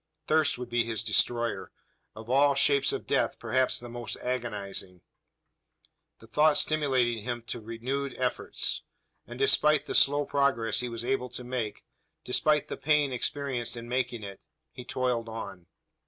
Thirst would be his destroyer of all shapes of death perhaps the most agonising. The thought stimulated him to renewed efforts; and despite the slow progress he was able to make despite the pain experienced in making it he toiled on.